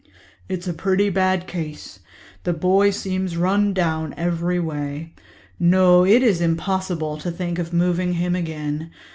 "It's a pretty bad case. The boy seems run down every way. No, it is impossible to think of moving him again.